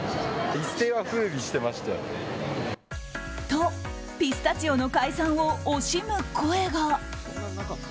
と、ピスタチオの解散を惜しむ声が。